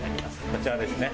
こちらですね。